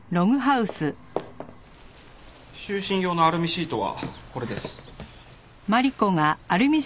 就寝用のアルミシートはこれです。